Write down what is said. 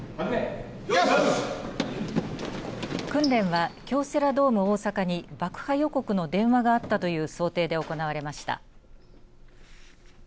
訓練は京セラドーム大阪に爆破予告の電話があったという想定で行われました。